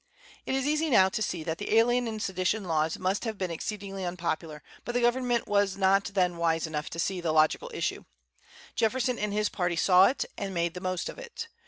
It is easy now to see that the Alien and Sedition Laws must have been exceedingly unpopular; but the government was not then wise enough to see the logical issue. Jefferson and his party saw it, and made the most of it.